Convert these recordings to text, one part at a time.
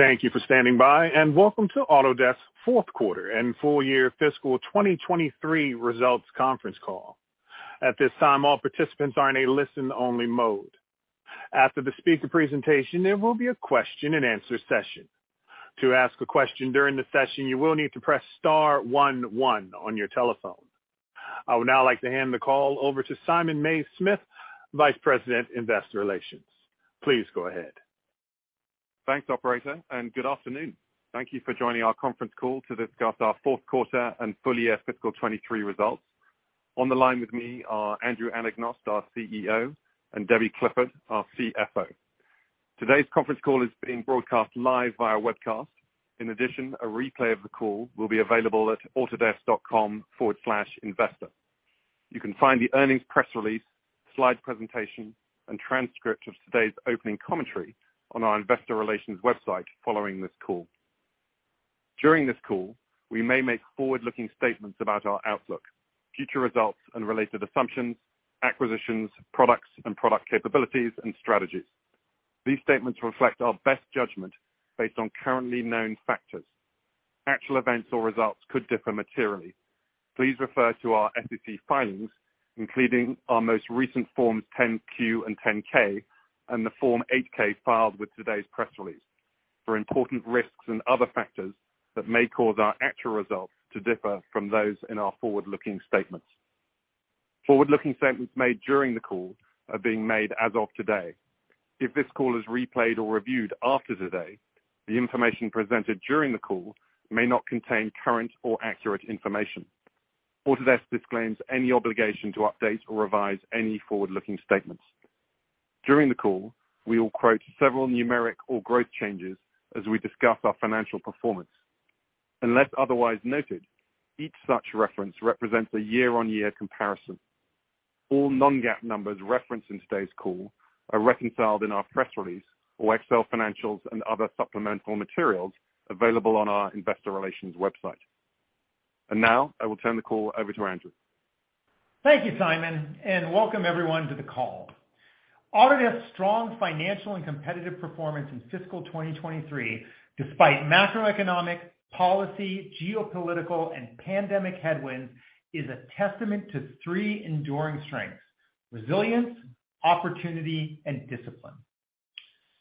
Thank you for standing by, and welcome to Autodesk fourth quarter and full year fiscal 2023 results conference call. At this time, all participants are in a listen only mode. After the speaker presentation, there will be a question and answer session. To ask a question during the session, you will need to press star one one on your telephone. I would now like to hand the call over to Simon Mays-Smith, Vice President, Investor Relations. Please go ahead. Thanks, operator. Good afternoon. Thank you for joining our conference call to discuss our fourth quarter and full year fiscal 2023 results. On the line with me are Andrew Anagnost, our CEO, and Debbie Clifford, our CFO. Today's conference call is being broadcast live via webcast. In addition, a replay of the call will be available at autodesk.com/investor. You can find the earnings press release, slide presentation, and transcript of today's opening commentary on our investor relations website following this call. During this call, we may make forward-looking statements about our outlook, future results and related assumptions, acquisitions, products and product capabilities and strategies. These statements reflect our best judgment based on currently known factors. Actual events or results could differ materially. Please refer to our SEC filings, including our most recent forms 10-Q and 10-K and the Form 8-K filed with today's press release for important risks and other factors that may cause our actual results to differ from those in our forward-looking statements. Forward-looking statements made during the call are being made as of today. If this call is replayed or reviewed after today, the information presented during the call may not contain current or accurate information. Autodesk disclaims any obligation to update or revise any forward-looking statements. During the call, we will quote several numeric or growth changes as we discuss our financial performance. Unless otherwise noted, each such reference represents a year-on-year comparison. All non-GAAP numbers referenced in today's call are reconciled in our press release or Excel financials and other supplemental materials available on our investor relations website. Now I will turn the call over to Andrew. Thank you, Simon, and welcome everyone to the call. Autodesk's strong financial and competitive performance in fiscal 2023, despite macroeconomic, policy, geopolitical and pandemic headwinds, is a testament to three enduring strengths: resilience, opportunity, and discipline.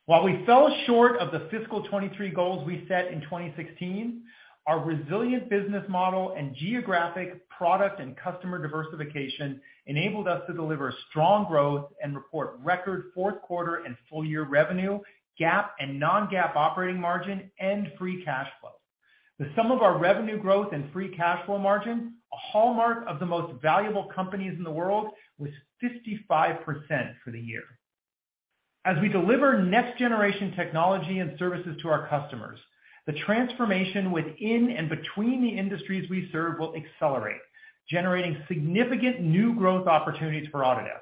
While we fell short of the fiscal 2023 goals we set in 2016, our resilient business model and geographic product and customer diversification enabled us to deliver strong growth and report record fourth quarter and full-year revenue, GAAP and non-GAAP operating margin and free cash flow. The sum of our revenue growth and free cash flow margin, a hallmark of the most valuable companies in the world, was 55% for the year. As we deliver next generation technology and services to our customers, the transformation within and between the industries we serve will accelerate, generating significant new growth opportunities for Autodesk.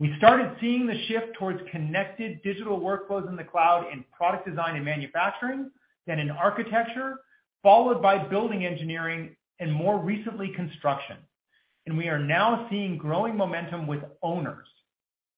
We started seeing the shift towards connected digital workflows in the cloud in product design and manufacturing, then in architecture, followed by building engineering and more recently, construction. We are now seeing growing momentum with owners.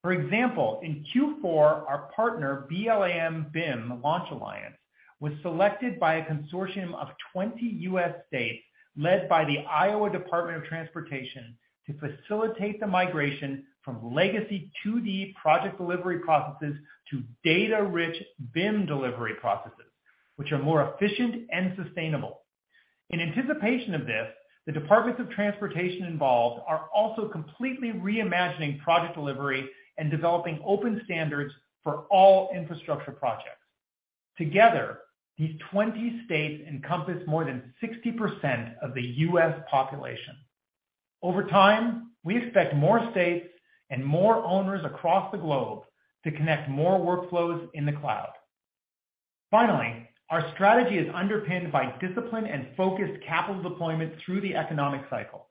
For example, in Q4, our partner, BLAM BIM, Launch Alliance, was selected by a consortium of 20 U.S. states, led by the Iowa Department of Transportation to facilitate the migration from legacy to the project delivery processes to data-rich BIM delivery processes which are more efficient and sustainable. In anticipation of this, the Departments of Transportation involved are also completely reimagining project delivery and developing open standards for all infrastructure projects. Together, these 20 states encompass more than 60% of the U.S. population. Over time, we expect more states and more owners across the globe to connect more workflows in the cloud. Our strategy is underpinned by discipline and focused capital deployment through the economic cycle.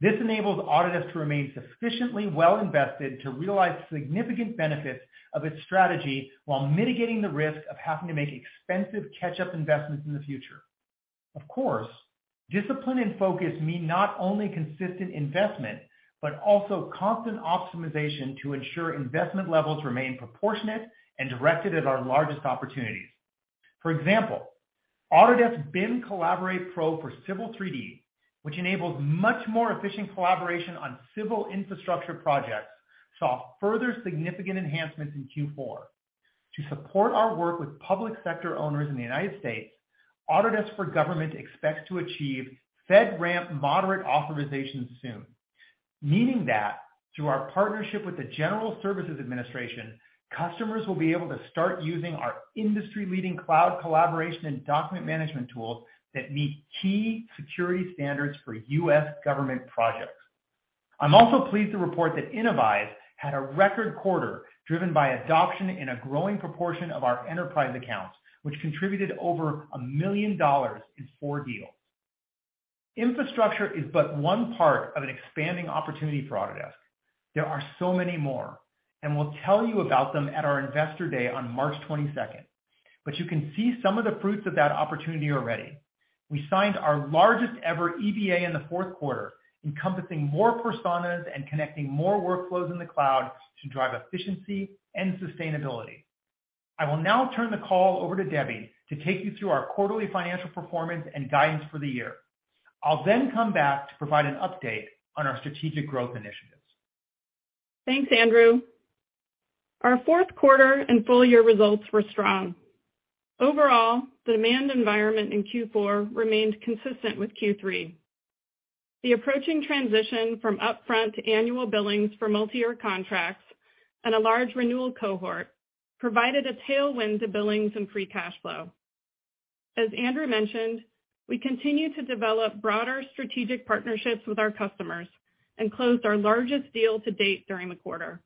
This enables Autodesk to remain sufficiently well invested to realize significant benefits of its strategy while mitigating the risk of having to make expensive catch-up investments in the future. Of course, discipline and focus mean not only consistent investment, but also constant optimization to ensure investment levels remain proportionate and directed at our largest opportunities. For example, Autodesk BIM Collaborate Pro for Civil 3D, which enables much more efficient collaboration on civil infrastructure projects, saw further significant enhancements in Q4. To support our work with public sector owners in the United States, Autodesk for Government expects to achieve FedRAMP Moderate authorization soon, meaning that through our partnership with the General Services Administration, customers will be able to start using our industry-leading cloud collaboration and document management tools that meet key security standards for U.S. government projects. I'm also pleased to report that Innovyze had a record quarter driven by adoption in a growing proportion of our enterprise accounts, which contributed over $1 million in four deals. Infrastructure is but one part of an expanding opportunity for Autodesk. There are so many more, we'll tell you about them at our Investor Day on March 22nd. You can see some of the fruits of that opportunity already. We signed our largest-ever EBA in the fourth quarter, encompassing more personas and connecting more workflows in the cloud to drive efficiency and sustainability. I will now turn the call over to Debbie to take you through our quarterly financial performance and guidance for the year. I'll then come back to provide an update on our strategic growth initiatives. Thanks, Andrew. Our fourth quarter and full-year results were strong. Overall, demand environment in Q4 remained consistent with Q3. The approaching transition from upfront to annual billings for multi-year contracts and a large renewal cohort provided a tailwind to billings and free cash flow. As Andrew mentioned, we continue to develop broader strategic partnerships with our customers and closed our largest deal to date during the quarter.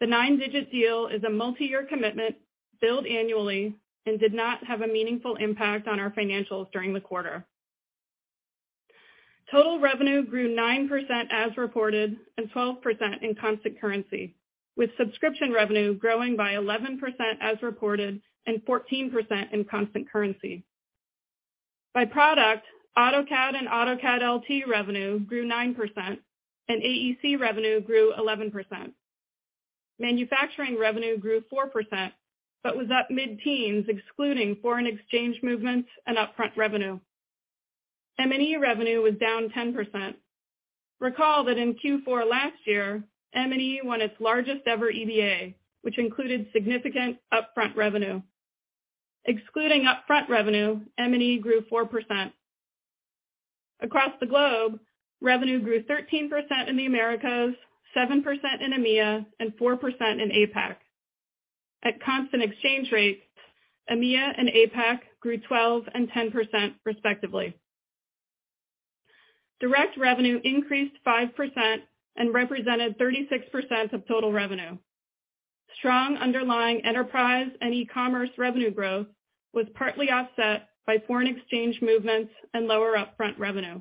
The nine-digit deal is a multi-year commitment, billed annually and did not have a meaningful impact on our financials during the quarter. Total revenue grew 9% as reported, and 12% in constant currency, with subscription revenue growing by 11% as reported, and 14% in constant currency. By product, AutoCAD and AutoCAD LT revenue grew 9%, and AEC revenue grew 11%. Manufacturing revenue grew 4% but was up mid-teens excluding foreign exchange movements and upfront revenue. M&E revenue was down 10%. Recall that in Q4 last year, M&E won its largest-ever EBA, which included significant upfront revenue. Excluding upfront revenue, M&E grew 4%. Across the globe, revenue grew 13% in the Americas, 7% in EMEA, and 4% in APAC. At constant exchange rates, EMEA and APAC grew 12% and 10%, respectively. Direct revenue increased 5% and represented 36% of total revenue. Strong underlying enterprise and e-commerce revenue growth was partly offset by foreign exchange movements and lower upfront revenue.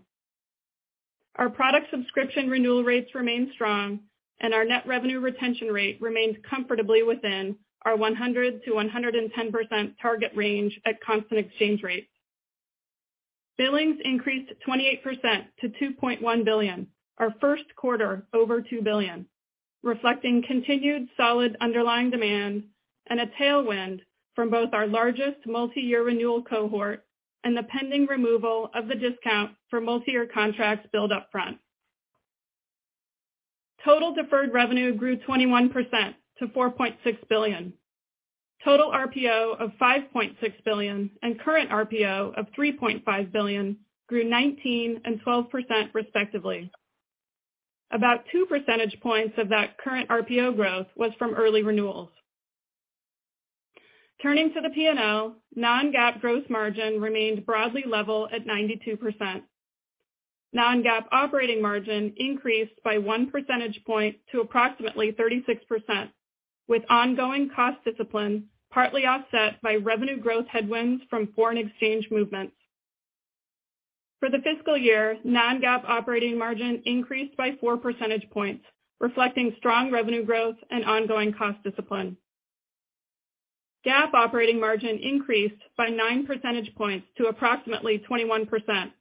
Our product subscription renewal rates remain strong, and our net revenue retention rate remains comfortably within our 100%-110% target range at constant exchange rates. Billings increased 28% to $2.1 billion, our first quarter over $2 billion, reflecting continued solid underlying demand and a tailwind from both our largest multi-year renewal cohort and the pending removal of the discount for multi-year contracts billed upfront. Total deferred revenue grew 21% to $4.6 billion. Total RPO of $5.6 billion and current RPO of $3.5 billion grew 19% and 12%, respectively. About 2 percentage points of that current RPO growth was from early renewals. Turning to the P&L, non-GAAP gross margin remained broadly level at 92%. Non-GAAP operating margin increased by 1 percentage point to approximately 36%, with ongoing cost discipline partly offset by revenue growth headwinds from foreign exchange movements. For the fiscal year, non-GAAP operating margin increased by 4 percentage points, reflecting strong revenue growth and ongoing cost discipline. GAAP operating margin increased by 9 percentage points to approximately 21%.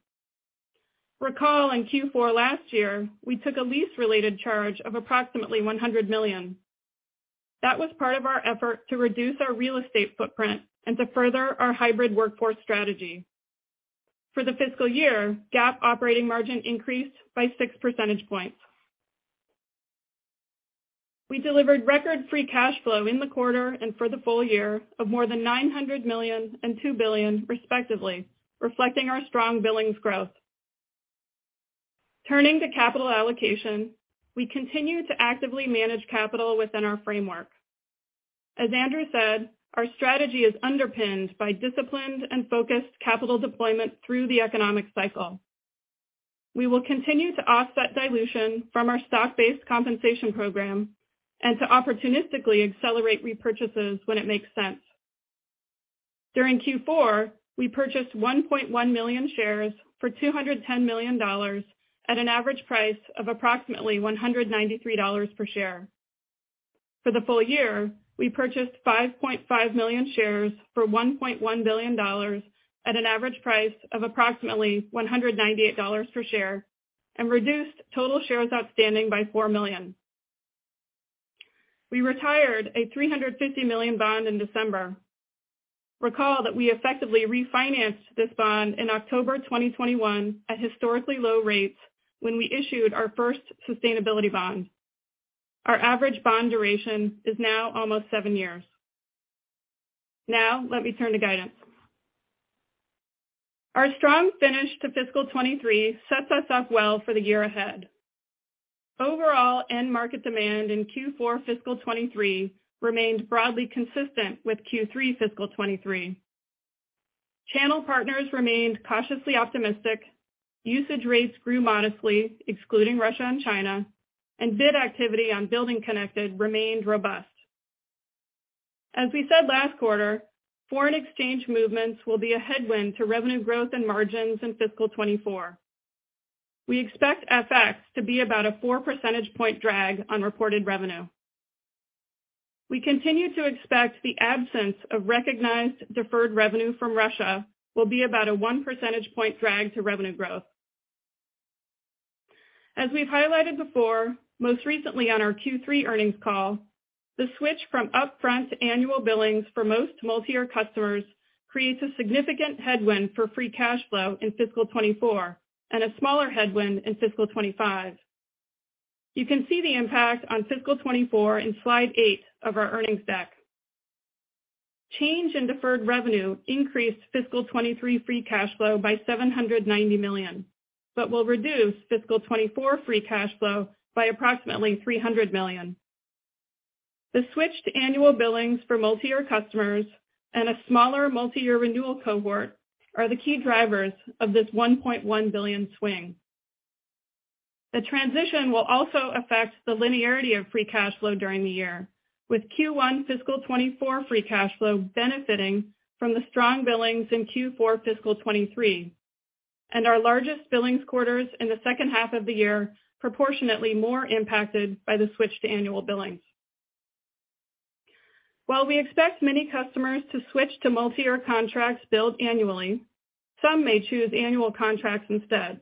Recall in Q4 last year, we took a lease-related charge of approximately $100 million. That was part of our effort to reduce our real estate footprint and to further our hybrid workforce strategy. For the fiscal year, GAAP operating margin increased by 6 percentage points. We delivered record free cash flow in the quarter and for the full year of more than $900 million and $2 billion, respectively, reflecting our strong billings growth. Turning to capital allocation. As Andrew said, our strategy is underpinned by disciplined and focused capital deployment through the economic cycle. We will continue to offset dilution from our stock-based compensation program and to opportunistically accelerate repurchases when it makes sense. During Q4, we purchased 1.1 million shares for $210 million at an average price of approximately $193 per share. For the full year, we purchased 5.5 million shares for $1.1 billion at an average price of approximately $198 per share and reduced total shares outstanding by 4 million. We retired a $350 million bond in December. Recall that we effectively refinanced this bond in October 2021 at historically low rates when we issued our first sustainability bond. Our average bond duration is now almost seven years. Let me turn to guidance. Our strong finish to fiscal 2023 sets us up well for the year ahead. Overall, end market demand in Q4 fiscal 2023 remained broadly consistent with Q3 fiscal 2023. Channel partners remained cautiously optimistic. Usage rates grew modestly, excluding Russia and China. Bid activity on BuildingConnected remained robust. As we said last quarter, foreign exchange movements will be a headwind to revenue growth and margins in fiscal 2024. We expect FX to be about a 4 percentage point drag on reported revenue. We continue to expect the absence of recognized deferred revenue from Russia will be about a 1 percentage point drag to revenue growth. As we've highlighted before, most recently on our Q3 earnings call, the switch from upfront annual billings for most multi-year customers creates a significant headwind for free cash flow in fiscal 2024 and a smaller headwind in fiscal 2025. You can see the impact on fiscal 2024 in slide eight of our earnings deck. Change in deferred revenue increased fiscal 2023 free cash flow by $790 million, but will reduce fiscal 2024 free cash flow by approximately $300 million. The switch to annual billings for multi-year customers and a smaller multi-year renewal cohort are the key drivers of this $1.1 billion swing. The transition will also affect the linearity of free cash flow during the year, with Q1 fiscal 2024 free cash flow benefiting from the strong billings in Q4 fiscal 2023, and our largest billings quarters in the second half of the year proportionately more impacted by the switch to annual billings. While we expect many customers to switch to multi-year contracts billed annually, some may choose annual contracts instead.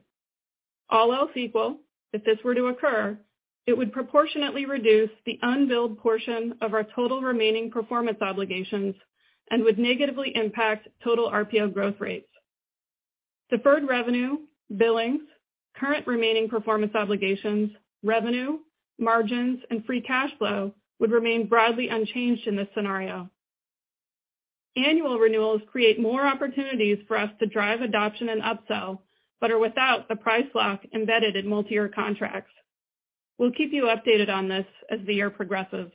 All else equal, if this were to occur, it would proportionately reduce the unbilled portion of our total remaining performance obligations and would negatively impact total RPO growth rates. Deferred revenue, billings, current remaining performance obligations, revenue, margins, and free cash flow would remain broadly unchanged in this scenario. Annual renewals create more opportunities for us to drive adoption and upsell, but are without the price lock embedded in multi-year contracts. We'll keep you updated on this as the year progresses.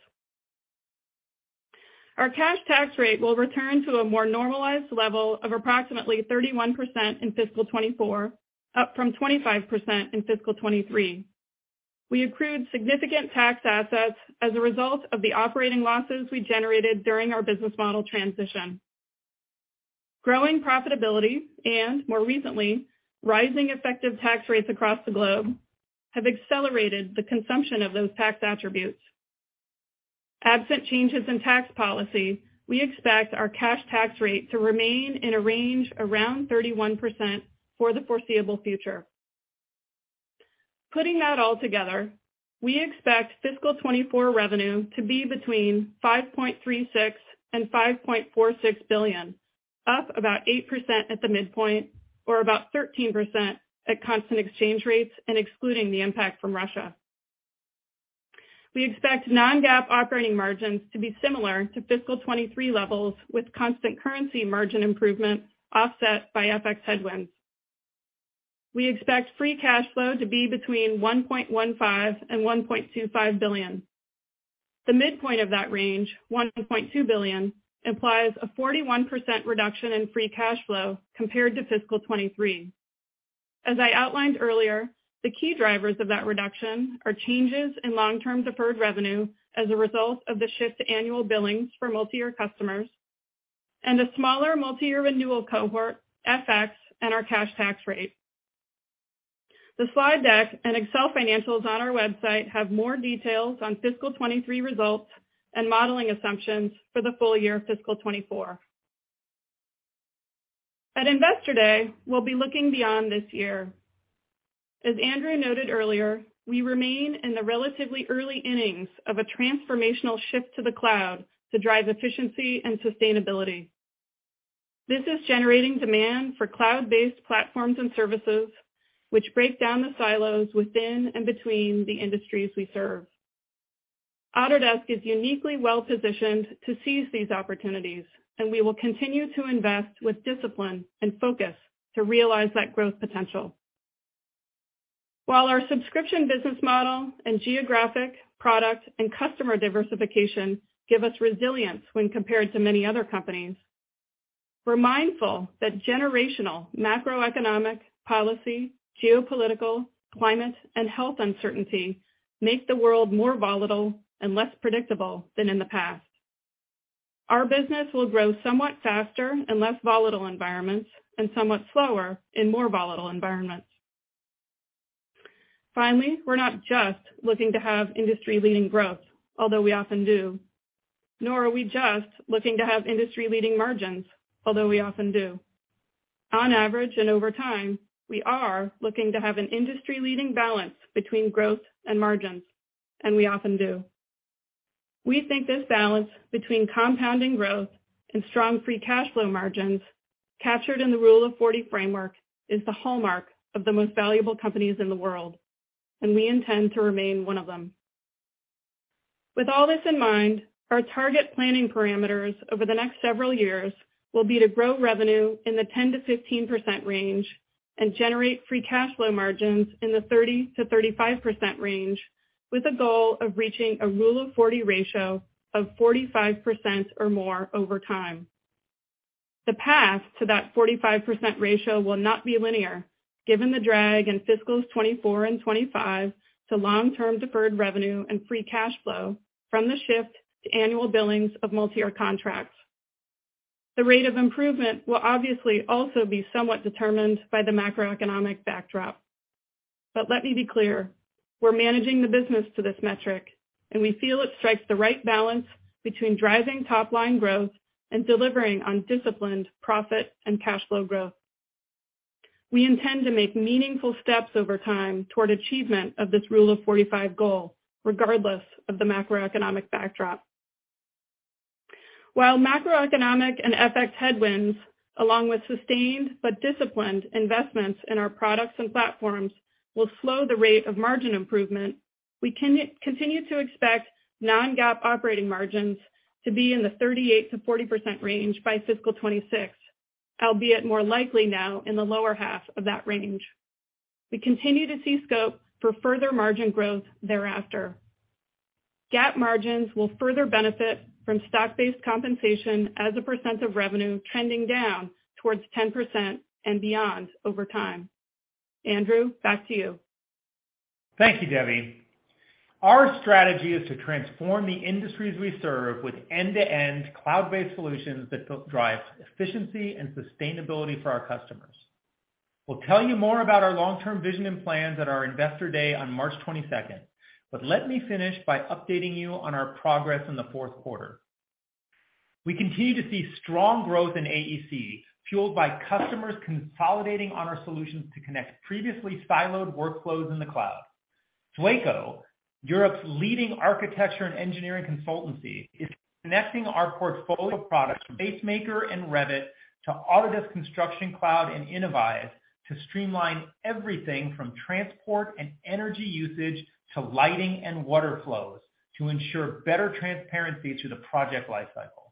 Our cash tax rate will return to a more normalized level of approximately 31% in fiscal 2024, up from 25% in fiscal 2023. We accrued significant tax assets as a result of the operating losses we generated during our business model transition. Growing profitability and, more recently, rising effective tax rates across the globe have accelerated the consumption of those tax attributes. Absent changes in tax policy, we expect our cash tax rate to remain in a range around 31% for the foreseeable future. Putting that all together, we expect fiscal 2024 revenue to be between $5.36 billion and $5.46 billion, up about 8% at the midpoint, or about 13% at constant exchange rates and excluding the impact from Russia. We expect non-GAAP operating margins to be similar to fiscal 2023 levels with constant currency margin improvement offset by FX headwinds. We expect free cash flow to be between $1.15 billion and $1.25 billion. The midpoint of that range, $1.2 billion, implies a 41% reduction in free cash flow compared to fiscal 2023. As I outlined earlier, the key drivers of that reduction are changes in long-term deferred revenue as a result of the shift to annual billings for multi-year customers and a smaller multi-year renewal cohort, FX, and our cash tax rate. The slide deck and Excel financials on our website have more details on fiscal 2023 results and modeling assumptions for the full year of fiscal 2024. At Investor Day, we'll be looking beyond this year. As Andrew noted earlier, we remain in the relatively early innings of a transformational shift to the cloud to drive efficiency and sustainability. This is generating demand for cloud-based platforms and services which break down the silos within and between the industries we serve. Autodesk is uniquely well-positioned to seize these opportunities, and we will continue to invest with discipline and focus to realize that growth potential. While our subscription business model and geographic, product, and customer diversification give us resilience when compared to many other companies, we're mindful that generational macroeconomic policy, geopolitical, climate, and health uncertainty make the world more volatile and less predictable than in the past. Our business will grow somewhat faster in less volatile environments and somewhat slower in more volatile environments. We're not just looking to have industry-leading growth, although we often do. Nor are we just looking to have industry-leading margins, although we often do. On average and over time, we are looking to have an industry-leading balance between growth and margins, and we often do. We think this balance between compounding growth and strong free cash flow margins captured in the Rule of 40 framework is the hallmark of the most valuable companies in the world, and we intend to remain one of them. With all this in mind, our target planning parameters over the next several years will be to grow revenue in the 10%-15% range and generate free cash flow margins in the 30%-35% range with a goal of reaching a "Rule of 40" ratio of 45% or more over time. The path to that 45% ratio will not be linear, given the drag in fiscals 2024 and 2025 to long-term deferred revenue and free cash flow from the shift to annual billings of multi-year contracts. The rate of improvement will obviously also be somewhat determined by the macroeconomic backdrop. Let me be clear, we're managing the business to this metric, and we feel it strikes the right balance between driving top line growth and delivering on disciplined profit and cash flow growth. We intend to make meaningful steps over time toward achievement of this "Rule of 45" goal, regardless of the macroeconomic backdrop. While macroeconomic and FX headwinds, along with sustained but disciplined investments in our products and platforms, will slow the rate of margin improvement, we continue to expect non-GAAP operating margins to be in the 38%-40% range by fiscal 2026, albeit more likely now in the lower half of that range. We continue to see scope for further margin growth thereafter. GAAP margins will further benefit from stock-based compensation as a percent of revenue trending down towards 10% and beyond over time. Andrew, back to you. Thank you, Debbie. Our strategy is to transform the industries we serve with end-to-end cloud-based solutions that drive efficiency and sustainability for our customers. We'll tell you more about our long-term vision and plans at our Investor Day on March 22nd, but let me finish by updating you on our progress in the fourth quarter. We continue to see strong growth in AEC, fueled by customers consolidating on our solutions to connect previously siloed workflows in the cloud. Sweco, Europe's leading architecture and engineering consultancy, is connecting our portfolio products from Pacemaker and Revit to Autodesk Construction Cloud and Innovyze to streamline everything from transport and energy usage to lighting and water flows to ensure better transparency through the project lifecycle.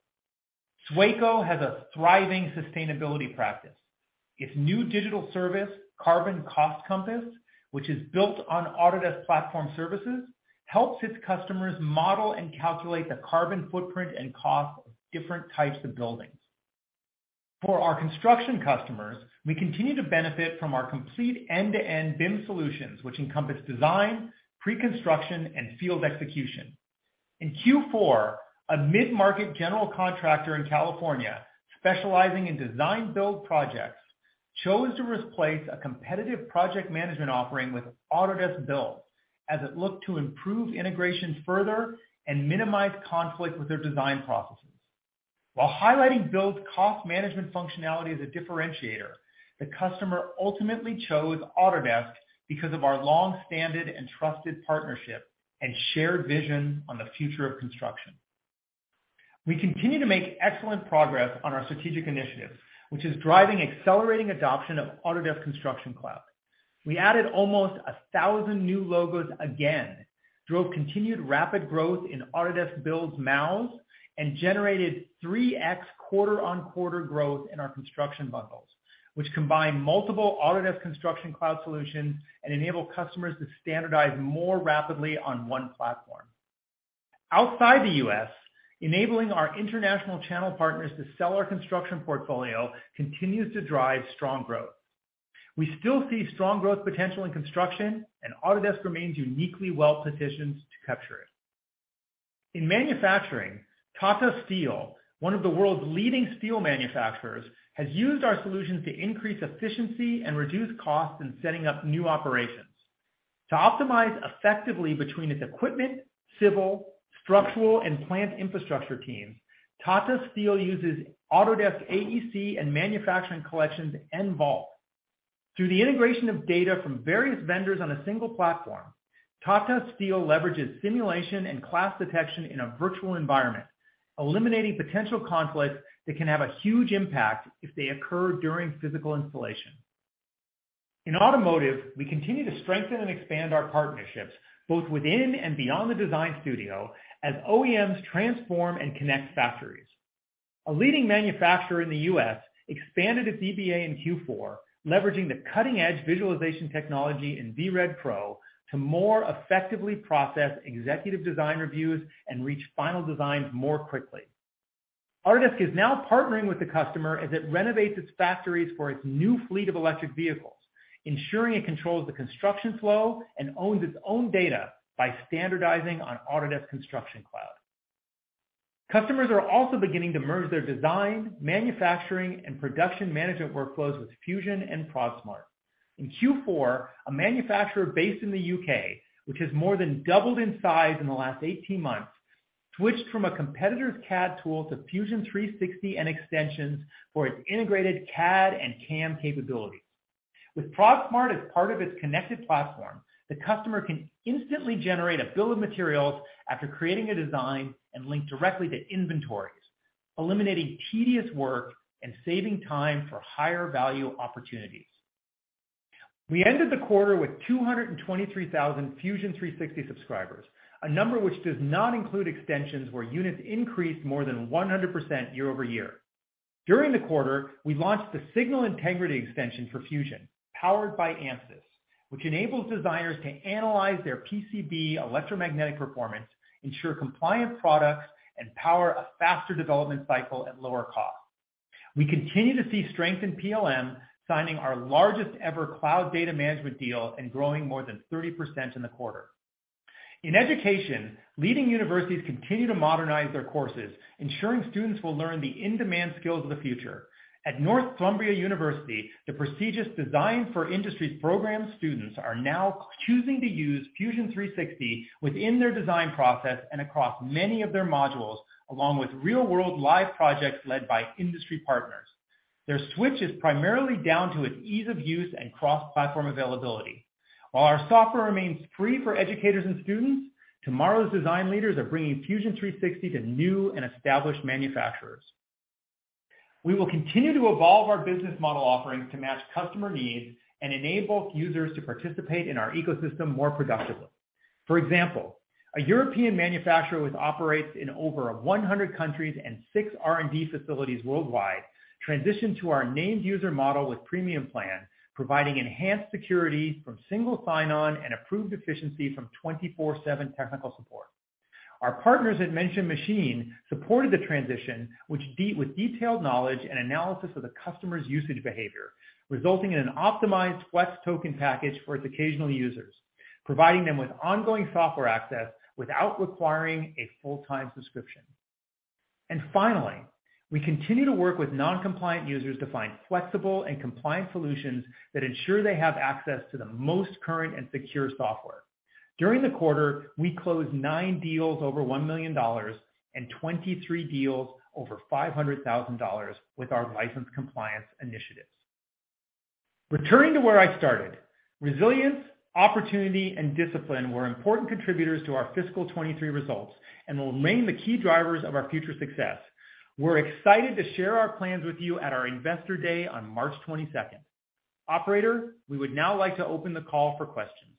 Sweco has a thriving sustainability practice. Its new digital service, Carbon Cost Compass, which is built on Autodesk Platform Services, helps its customers model and calculate the carbon footprint and cost of different types of buildings. For our construction customers, we continue to benefit from our complete end-to-end BIM solutions, which encompass design, pre-construction, and field execution. In Q4, a mid-market general contractor in California, specializing in design build projects, chose to replace a competitive project management offering with Autodesk Build as it looked to improve integration further and minimize conflict with their design processes. While highlighting Build's cost management functionality as a differentiator, the customer ultimately chose Autodesk because of our long-standing and trusted partnership and shared vision on the future of construction. We continue to make excellent progress on our strategic initiatives, which is driving accelerating adoption of Autodesk Construction Cloud. We added almost 1,000 new logos again, drove continued rapid growth in Autodesk Build's mouths, and generated 3x quarter-on-quarter growth in our construction bundles, which combine multiple Autodesk Construction Cloud solutions and enable customers to standardize more rapidly on one platform. Outside the U.S., enabling our international channel partners to sell our construction portfolio continues to drive strong growth. We still see strong growth potential in construction, and Autodesk remains uniquely well-positioned to capture it. In manufacturing, Tata Steel, one of the world's leading steel manufacturers, has used our solutions to increase efficiency and reduce costs in setting up new operations. To optimize effectively between its equipment, civil, structural, and plant infrastructure teams, Tata Steel uses Autodesk AEC and manufacturing collections involved. Through the integration of data from various vendors on a single platform, Tata Steel leverages simulation and class detection in a virtual environment, eliminating potential conflicts that can have a huge impact if they occur during physical installation. In automotive, we continue to strengthen and expand our partnerships, both within and beyond the design studio as OEMs transform and connect factories. A leading manufacturer in the U.S. expanded its EBA in Q4, leveraging the cutting-edge visualization technology in VRED Pro to more effectively process executive design reviews and reach final designs more quickly. Autodesk is now partnering with the customer as it renovates its factories for its new fleet of electric vehicles, ensuring it controls the construction flow and owns its own data by standardizing on Autodesk Construction Cloud. Customers are also beginning to merge their design, manufacturing, and production management workflows with Fusion and Prodsmart. In Q4, a manufacturer based in the U.K., which has more than doubled in size in the last 18 months, switched from a competitor's CAD tool to Fusion 360 and extensions for its integrated CAD and CAM capabilities. With Prodsmart as part of its connected platform, the customer can instantly generate a bill of materials after creating a design and link directly to inventories, eliminating tedious work and saving time for higher value opportunities. We ended the quarter with 223,000 Fusion 360 subscribers, a number which does not include extensions where units increased more than 100% year-over-year. During the quarter, we launched the Signal Integrity Extension for Fusion, powered by ANSYS, which enables designers to analyze their PCB electromagnetic performance, ensure compliant products, and power a faster development cycle at lower cost. We continue to see strength in PLM, signing our largest-ever cloud data management deal and growing more than 30% in the quarter. In education, leading universities continue to modernize their courses, ensuring students will learn the in-demand skills of the future. At Northumbria University, the prestigious Design for Industry program students are now choosing to use Fusion 360 within their design process and across many of their modules, along with real-world live projects led by industry partners. Their switch is primarily down to its ease of use and cross-platform availability. While our software remains free for educators and students, tomorrow's design leaders are bringing Fusion 360 to new and established manufacturers. We will continue to evolve our business model offerings to match customer needs and enable users to participate in our ecosystem more productively. For example, a European manufacturer which operates in over 100 countries and six R&D facilities worldwide transitioned to our named user model with premium plan, providing enhanced security from single sign-on and improved efficiency from 24/7 technical support. Our partners at Mensch and Maschine supported the transition with detailed knowledge and analysis of the customer's usage behavior, resulting in an optimized Flex token package for its occasional users, providing them with ongoing software access without requiring a full-time subscription. Finally, we continue to work with non-compliant users to find flexible and compliant solutions that ensure they have access to the most current and secure software. During the quarter, we closed nine deals over $1 million and 23 deals over $500,000 with our license compliance initiatives. Returning to where I started, resilience, opportunity, and discipline were important contributors to our fiscal 2023 results and will remain the key drivers of our future success. We're excited to share our plans with you at our Investor Day on March 22nd. Operator, we would now like to open the call for questions.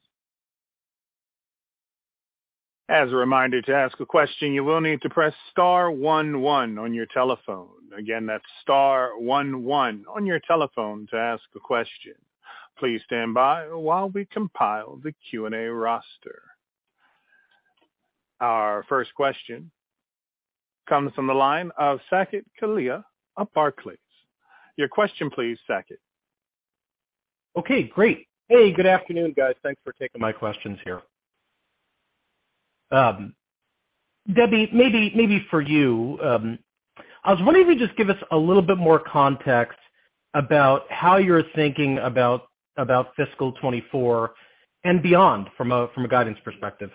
As a reminder, to ask a question, you will need to press star one one on your telephone. That's star one one on your telephone to ask a question. Please stand by while we compile the Q&A roster. Our first question comes from the line of Saket Kalia of Barclays. Your question please, Saket. Okay, great. Hey, good afternoon, guys. Thanks for taking my questions here. Debbie, maybe for you, I was wondering if you could just give us a little bit more context about how you're thinking about fiscal 2024 and beyond from a guidance perspective?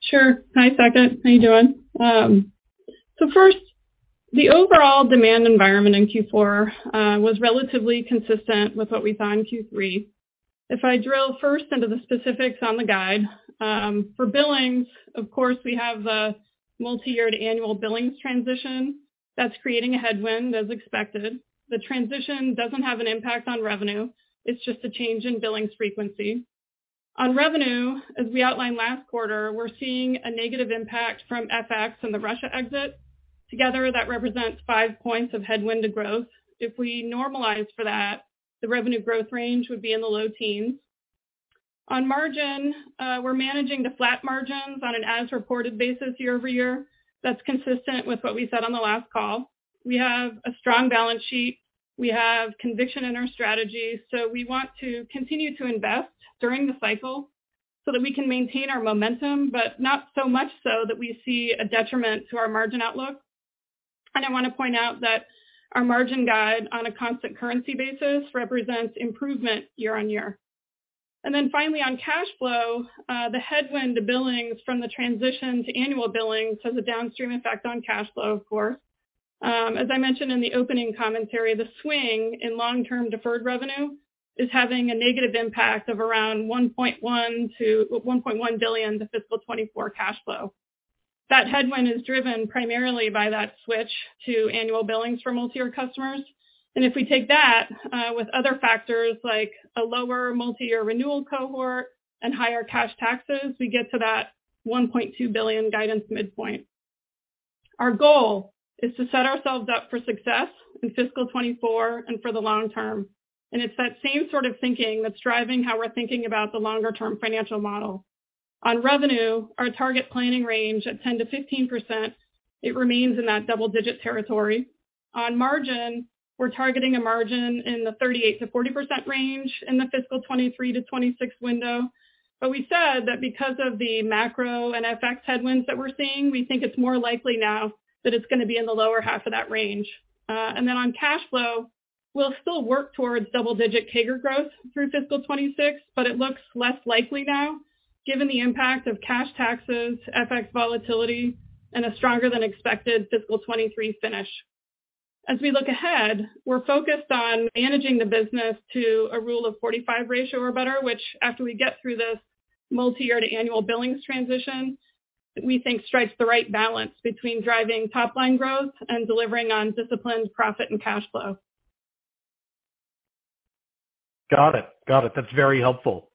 Sure. Hi, Saket. How you doing? First, the overall demand environment in Q4 was relatively consistent with what we saw in Q3. If I drill first into the specifics on the guide, for billings, of course, we have a multi-year to annual billings transition that's creating a headwind as expected. The transition doesn't have an impact on revenue. It's just a change in billings frequency. On revenue, as we outlined last quarter, we're seeing a negative impact from FX and the Russia exit. Together, that represents 5 points of headwind to growth. If we normalize for that, the revenue growth range would be in the low-teens. On margin, we're managing to flat margins on an as-reported basis year-over-year. That's consistent with what we said on the last call. We have a strong balance sheet. We have conviction in our strategy. We want to continue to invest during the cycle so that we can maintain our momentum, but not so much so that we see a detriment to our margin outlook. I wanna point out that our margin guide on a constant currency basis represents improvement year-on-year. Finally, on cash flow, the headwind to billings from the transition to annual billings has a downstream effect on cash flow, of course. As I mentioned in the opening commentary, the swing in long-term deferred revenue is having a negative impact of around $1.1 billion to fiscal 2024 cash flow. That headwind is driven primarily by that switch to annual billings for multi-year customers. If we take that, with other factors like a lower multi-year renewal cohort and higher cash taxes, we get to that $1.2 billion guidance midpoint. Our goal is to set ourselves up for success in fiscal 2024 and for the long term. It's that same sort of thinking that's driving how we're thinking about the longer-term financial model. Our target planning range at 10%-15%, it remains in that double-digit territory. We're targeting a margin in the 38%-40% range in the fiscal 2023-2026 window. We said that because of the macro and FX headwinds that we're seeing, we think it's more likely now that it's gonna be in the lower half of that range. Then on cash flow, we'll still work towards double-digit CAGR growth through fiscal 2026, but it looks less likely now given the impact of cash taxes, FX volatility, and a stronger than expected fiscal 2023 finish. As we look ahead, we're focused on managing the business to a Rule of 40-five ratio or better, which after we get through this multi-year to annual billings transition, we think strikes the right balance between driving top-line growth and delivering on disciplined profit and cash flow. Got it. Got it. That's very helpful.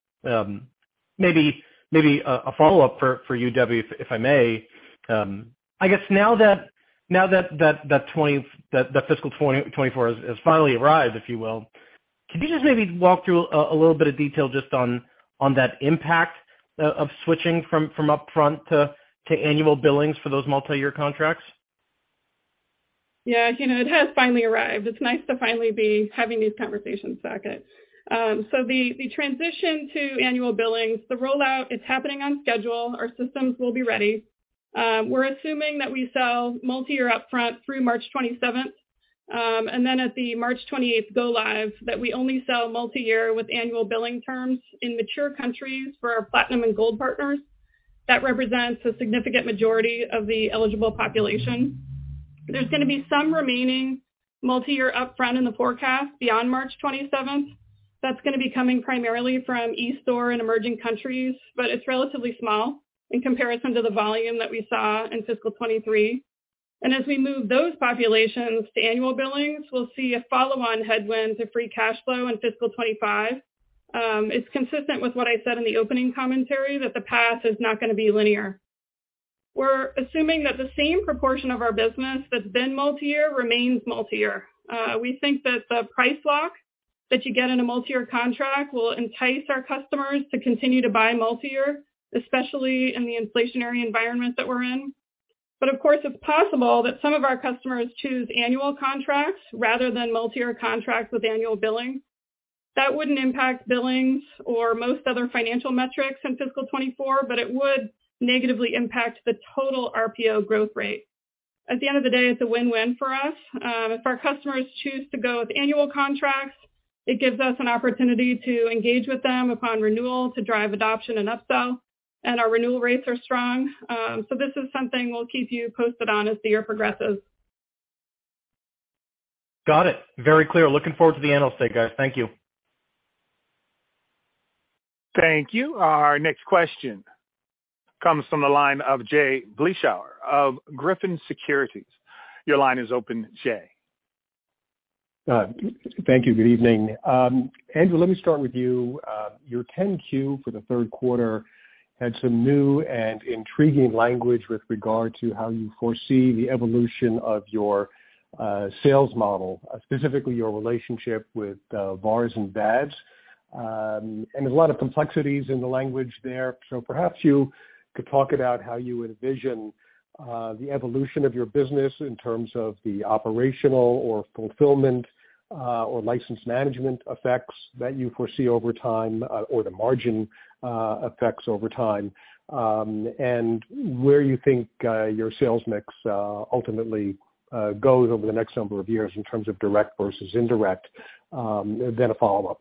maybe a follow-up for you, Debbie, if I may. I guess now that fiscal 2024 has finally arrived, if you will, can you just maybe walk through a little bit of detail just on that impact of switching from upfront to annual billings for those multi-year contracts? Yeah, you know, it has finally arrived. It's nice to finally be having these conversations back. The transition to annual billings, the rollout is happening on schedule. Our systems will be ready. We're assuming that we sell multi-year upfront through March 27th. At the March 28th go-live, that we only sell multi-year with annual billing terms in mature countries for our platinum and gold partners. That represents a significant majority of the eligible population. There's gonna be some remaining multi-year upfront in the forecast beyond March 27th. That's gonna be coming primarily from eStore and emerging countries, but it's relatively small in comparison to the volume that we saw in fiscal 2023. As we move those populations to annual billings, we'll see a follow-on headwind to free cash flow in fiscal 2025. It's consistent with what I said in the opening commentary that the path is not gonna be linear. We're assuming that the same proportion of our business that's been multi-year remains multi-year. We think that the price lock that you get in a multi-year contract will entice our customers to continue to buy multi-year, especially in the inflationary environment that we're in. Of course, it's possible that some of our customers choose annual contracts rather than multi-year contracts with annual billing. That wouldn't impact billings or most other financial metrics in fiscal 2024, but it would negatively impact the total RPO growth rate. At the end of the day, it's a win-win for us. If our customers choose to go with annual contracts, it gives us an opportunity to engage with them upon renewal to drive adoption and upsell, and our renewal rates are strong. This is something we'll keep you posted on as the year progresses. Got it. Very clear. Looking forward to the analyst day, guys. Thank you. Thank you. Our next question comes from the line of Jay Vleeschhouwer of Griffin Securities. Your line is open, Jay. Thank you. Good evening. Andrew, let me start with you. Your 10-Q for the third quarter had some new and intriguing language with regard to how you foresee the evolution of your sales model, specifically your relationship with VARs and VADs. There's a lot of complexities in the language there. Perhaps you could talk about how you envision the evolution of your business in terms of the operational or fulfillment or license management effects that you foresee over time, or the margin effects over time, and where you think your sales mix ultimately goes over the next number of years in terms of direct versus indirect, then a follow-up.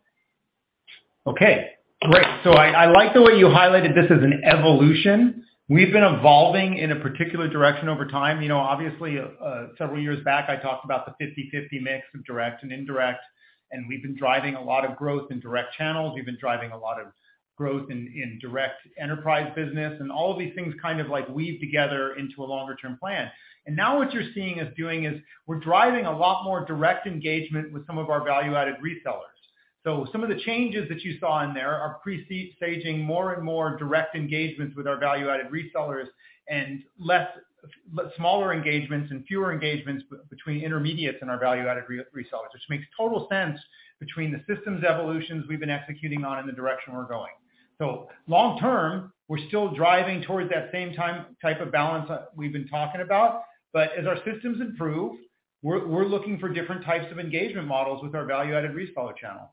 I like the way you highlighted this as an evolution. We've been evolving in a particular direction over time. You know, obviously, several years back, I talked about the 50/50 mix of direct and indirect, we've been driving a lot of growth in direct channels. We've been driving a lot of growth in direct enterprise business, all of these things kind of like weave together into a longer-term plan. Now what you're seeing us doing is we're driving a lot more direct engagement with some of our value-added resellers. Some of the changes that you saw in there are staging more and more direct engagements with our value-added resellers and smaller engagements and fewer engagements between intermediates and our value-added resellers, which makes total sense between the systems evolutions we've been executing on and the direction we're going. Long term, we're still driving towards that same type of balance we've been talking about. As our systems improve, we're looking for different types of engagement models with our value-added reseller channel.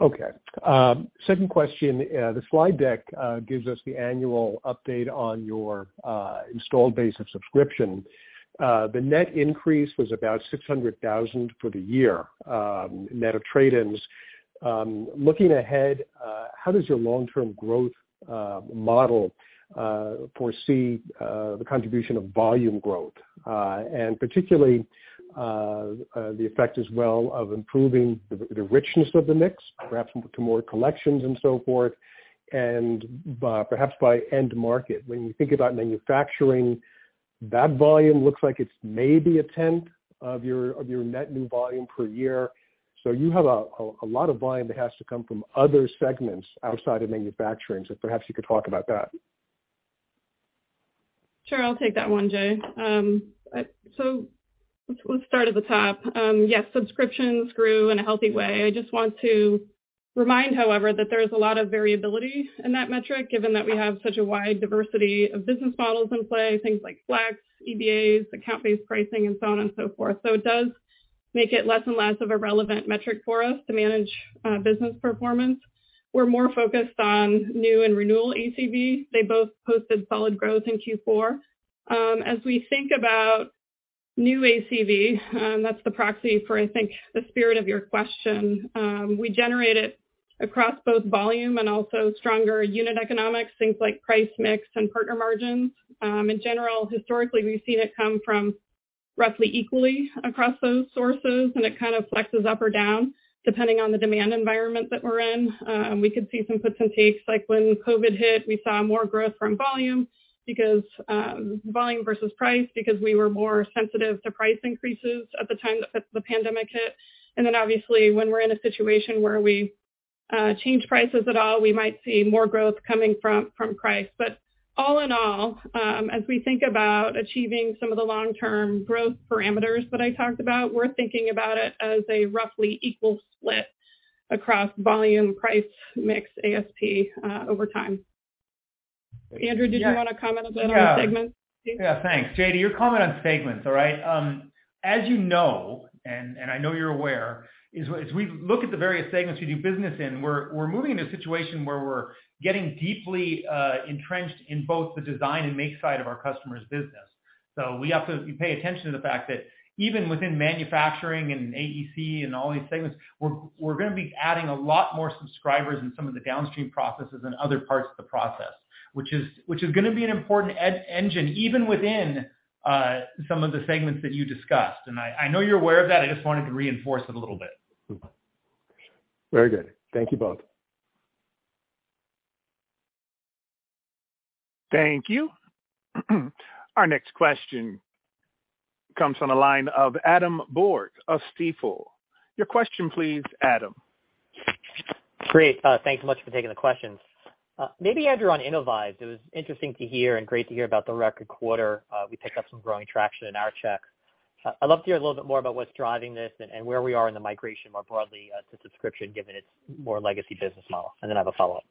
Okay. Second question. The slide deck gives us the annual update on your installed base of subscription. The net increase was about 600,000 for the year, net of trade-ins. Looking ahead, how does your long-term growth model foresee the contribution of volume growth, and particularly the effect as well of improving the richness of the mix, perhaps to more collections and so forth, and perhaps by end market? When you think about manufacturing, that volume looks like it's maybe a tenth of your net new volume per year. You have a lot of volume that has to come from other segments outside of manufacturing. Perhaps you could talk about that. Sure. I'll take that one, Jay. Let's start at the top. Yes, subscriptions grew in a healthy way. I just want to remind, however, that there is a lot of variability in that metric, given that we have such a wide diversity of business models in play, things like Flex, EBAs, account-based pricing, and so on and so forth. It does make it less and less of a relevant metric for us to manage business performance. We're more focused on new and renewal ACV. They both posted solid growth in Q4. As we think about new ACV, that's the proxy for, I think, the spirit of your question. We generate it across both volume and also stronger unit economics, things like price mix and partner margins. In general, historically, we've seen it come from roughly equally across those sources, and it kind of flexes up or down depending on the demand environment that we're in. We could see some puts and takes like when COVID hit, we saw more growth from volume because volume versus price because we were more sensitive to price increases at the time that the pandemic hit. Obviously, when we're in a situation where we change prices at all, we might see more growth coming from price. All in all, as we think about achieving some of the long-term growth parameters that I talked about, we're thinking about it as a roughly equal split across volume, price, mix, ASP, over time. Andrew, did you want to comment a bit on the segment? Yeah. Yeah, thanks. Jay, your comment on segments, all right? As you know, and I know you're aware, is, as we look at the various segments we do business in, we're moving in a situation where we're getting deeply entrenched in both the design and make side of our customer's business. We have to pay attention to the fact that even within manufacturing and AEC and all these segments, we're gonna be adding a lot more subscribers in some of the downstream processes and other parts of the process, which is gonna be an important engine even within some of the segments that you discussed. I know you're aware of that, I just wanted to reinforce it a little bit. Very good. Thank you both. Thank you. Our next question comes from the line of Adam Borg of Stifel. Your question, please, Adam. Great. Thanks so much for taking the questions. Maybe Andrew, on Innovyze, it was interesting to hear and great to hear about the record quarter. We picked up some growing traction in our check. I'd love to hear a little bit more about what's driving this and where we are in the migration more broadly to subscription given its more legacy business model. Then I have a follow-up.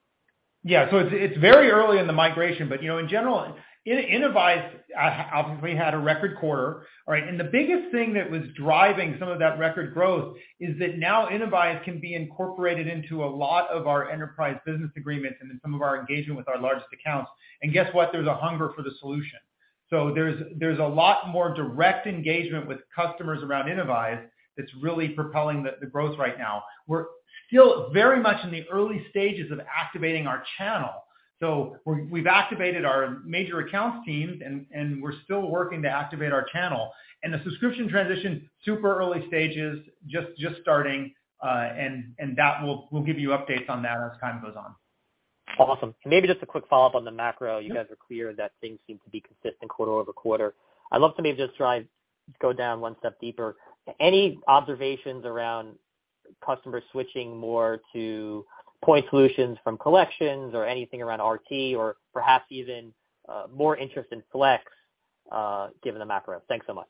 It's very early in the migration, but, you know, in general, Innovyze obviously had a record quarter, all right? The biggest thing that was driving some of that record growth is that now Innovyze can be incorporated into a lot of our enterprise business agreements and in some of our engagement with our largest accounts. Guess what? There's a hunger for the solution. There's a lot more direct engagement with customers around Innovyze that's really propelling the growth right now. We're still very much in the early stages of activating our channel. We've activated our major accounts teams and we're still working to activate our channel. The subscription transition, super early stages, just starting, and that we'll give you updates on that as time goes on. Awesome. Maybe just a quick follow-up on the macro. You guys are clear that things seem to be consistent quarter-over-quarter. I'd love to maybe just try go down one step deeper. Any observations around customers switching more to point solutions from collections or anything around RT or perhaps even more interest in Flex given the macro? Thanks so much.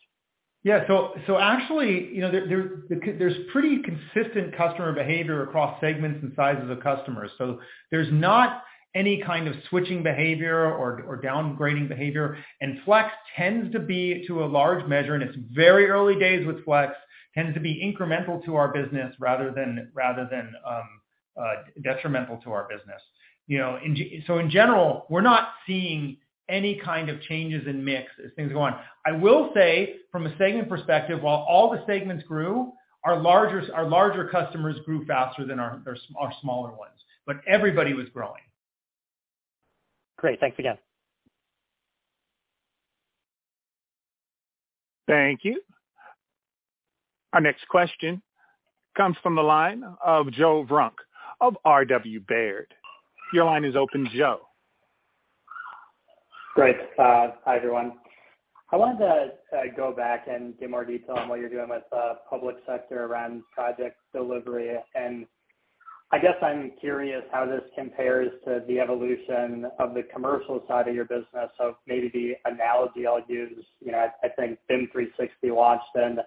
Actually, you know, there's pretty consistent customer behavior across segments and sizes of customers. There's not any kind of switching behavior or downgrading behavior. Flex tends to be, to a large measure, and it's very early days with Flex, tends to be incremental to our business rather than, rather than detrimental to our business. You know, in general, we're not seeing any kind of changes in mix as things go on. I will say from a segment perspective, while all the segments grew, our larger customers grew faster than our smaller ones. Everybody was growing. Great. Thanks again. Thank you. Our next question comes from the line of Joe Vruwink of R. W. Baird. Your line is open, Joe. Great. Hi, everyone. I wanted to go back and get more detail on what you're doing with public sector around project delivery. I guess I'm curious how this compares to the evolution of the commercial side of your business. Maybe the analogy I'll use, you know, I think BIM 360 launched in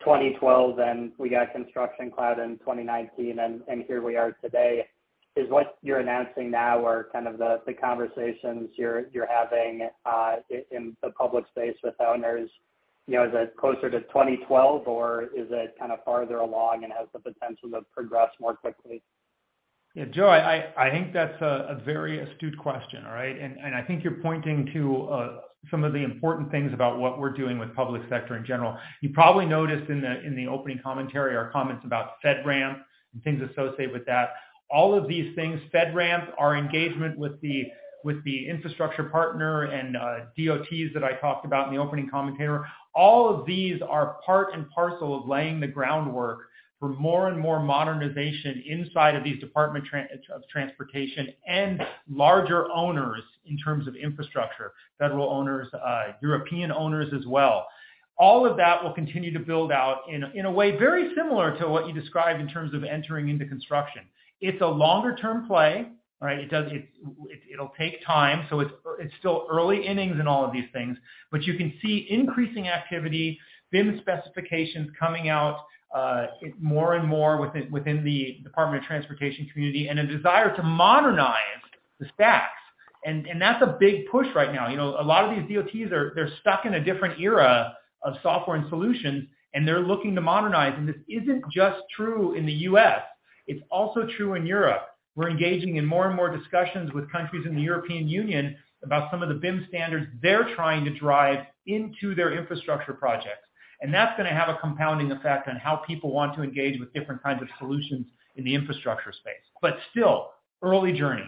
2012, and we got Construction Cloud in 2019, and here we are today. Is what you're announcing now or kind of the conversations you're having in the public space with owners, you know, is it closer to 2012 or is it kind of farther along and has the potential to progress more quickly? Yeah, Joe, I think that's a very astute question, all right? I think you're pointing to some of the important things about what we're doing with public sector in general. You probably noticed in the opening commentary or comments about FedRAMP and things associated with that. All of these things, FedRAMP, our engagement with the infrastructure partner and DOTs that I talked about in the opening commentary, all of these are part and parcel of laying the groundwork for more and more modernization inside of these Department of Transportation and larger owners in terms of infrastructure, federal owners, European owners as well. All of that will continue to build out in a way very similar to what you described in terms of entering into construction. It's a longer term play, all right? It'll take time. It's still early innings in all of these things. You can see increasing activity, BIM specifications coming out, more and more within the Department of Transportation community, and a desire to modernize the stacks. That's a big push right now. You know, a lot of these DOTs, they're stuck in a different era of software and solutions, and they're looking to modernize. This isn't just true in the U.S., it's also true in Europe. We're engaging in more and more discussions with countries in the European Union about some of the BIM standards they're trying to drive into their infrastructure projects. That's gonna have a compounding effect on how people want to engage with different kinds of solutions in the infrastructure space. Still, early journey.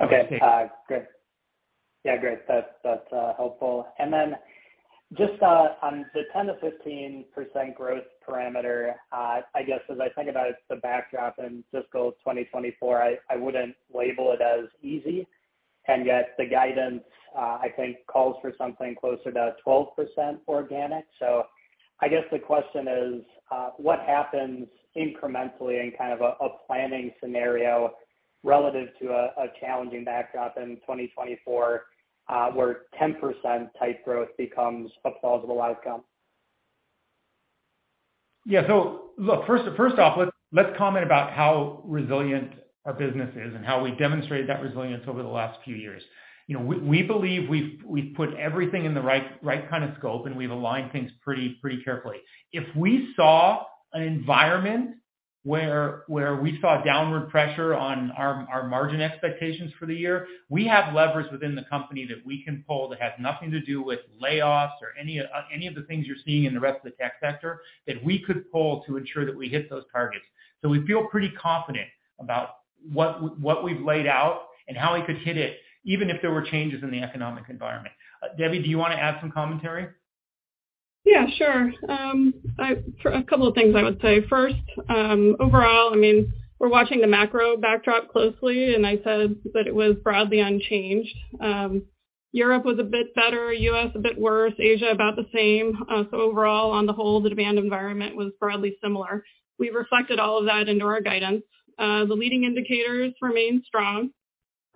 Okay. Great. Yeah, great. That's, that's helpful. Then just on the 10%-15% growth parameter, I guess as I think about the backdrop in fiscal 2024, I wouldn't label it as easy. Yet the guidance, I think calls for something closer to 12% organic. I guess the question is, what happens incrementally in kind of a planning scenario relative to a challenging backdrop in 2024, where 10% type growth becomes a plausible outcome? Yeah. Look, first off, let's comment about how resilient our business is and how we demonstrated that resilience over the last few years. You know, we believe we've put everything in the right kind of scope, and we've aligned things pretty carefully. If we saw an environment where we saw downward pressure on our margin expectations for the year, we have levers within the company that we can pull that has nothing to do with layoffs or any of the things you're seeing in the rest of the tech sector, that we could pull to ensure that we hit those targets. We feel pretty confident about what we've laid out and how we could hit it, even if there were changes in the economic environment. Debbie, do you wanna add some commentary? Yeah, sure. A couple of things I would say. First, overall, I mean, we're watching the macro backdrop closely. I said that it was broadly unchanged. Europe was a bit better, U.S. a bit worse, Asia about the same. Overall, on the whole, the demand environment was broadly similar. We reflected all of that into our guidance. The leading indicators remain strong.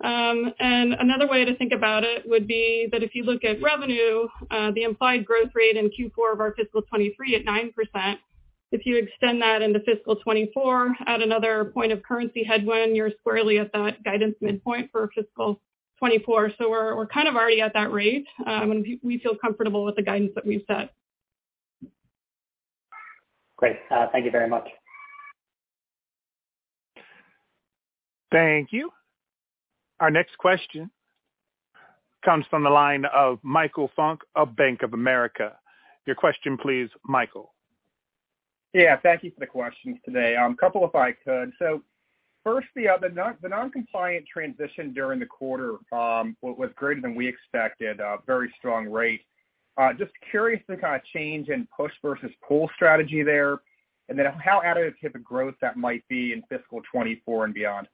Another way to think about it would be that if you look at revenue, the implied growth rate in Q4 of our fiscal 2023 at 9%, if you extend that into fiscal 2024 at another point of currency headwind, you're squarely at that guidance midpoint for fiscal 2024. We're kind of already at that rate, we feel comfortable with the guidance that we've set. Great. Thank you very much. Thank you. Our next question comes from the line of Michael Funk of Bank of America. Your question please, Michael. Yeah, thank you for the questions today. A couple if I could. First the non-compliant transition during the quarter, was greater than we expected, a very strong rate. Just curious the kinda change in push versus pull strategy there, and then how additive growth that might be in fiscal 2024 and beyond.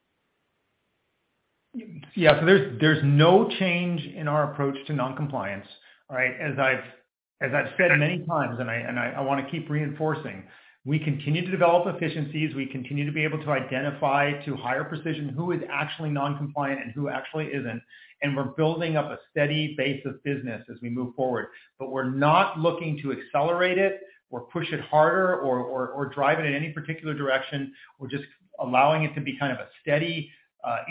There's no change in our approach to non-compliance, all right? As I've said many times, and I wanna keep reinforcing, we continue to develop efficiencies. We continue to be able to identify to higher precision who is actually non-compliant and who actually isn't, and we're building up a steady base of business as we move forward. We're not looking to accelerate it or push it harder or drive it in any particular direction. We're just allowing it to be kind of a steady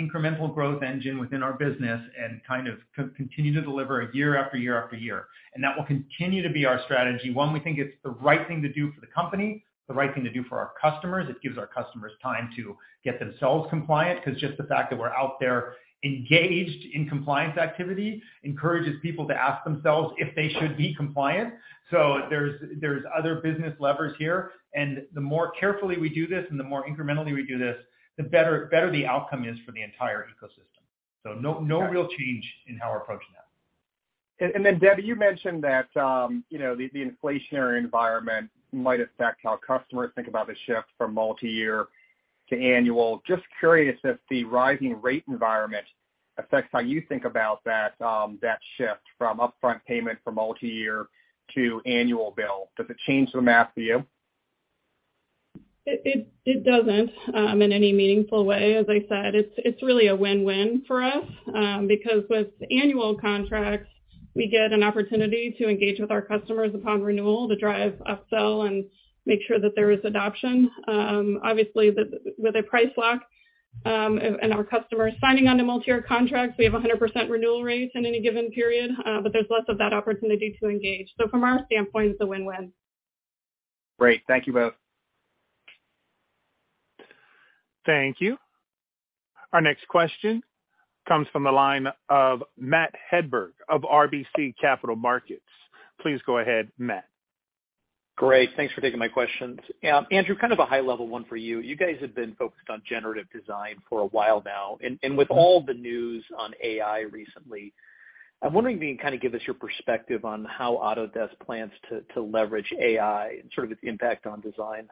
incremental growth engine within our business and kind of continue to deliver year after year after year. That will continue to be our strategy. One, we think it's the right thing to do for the company, the right thing to do for our customers. It gives our customers time to get themselves compliant, 'cause just the fact that we're out there engaged in compliance activity encourages people to ask themselves if they should be compliant. There's other business levers here. The more carefully we do this and the more incrementally we do this, the better the outcome is for the entire ecosystem. No, no real change in how we're approaching that. Debbie, you mentioned that, you know, the inflationary environment might affect how customers think about the shift from multi-year to annual. Just curious if the rising rate environment affects how you think about that shift from upfront payment from multi-year to annual bill. Does it change the math for you? It doesn't in any meaningful way. As I said, it's really a win-win for us, because with annual contracts, we get an opportunity to engage with our customers upon renewal to drive upsell and make sure that there is adoption. Obviously, with a price lock, and our customers signing onto multi-year contracts, we have 100% renewal rates in any given period, but there's less of that opportunity to engage. From our standpoint, it's a win-win. Great. Thank you both. Thank you. Our next question comes from the line of Matt Hedberg of RBC Capital Markets. Please go ahead, Matt. Great. Thanks for taking my questions. Andrew, kind of a high level one for you. You guys have been focused on generative design for a while now. With all the news on AI recently, I'm wondering if you can kind of give us your perspective on how Autodesk plans to leverage AI and sort of its impact on design.